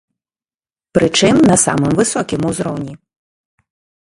Прычым на самым высокім узроўні.